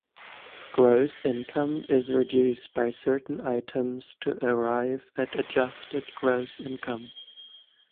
Gross income is reduced by certain items to arrive at adjusted gross income.